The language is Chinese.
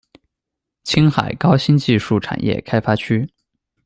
青海高新技术产业开发区